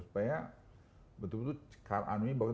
supaya betul betul car army bagus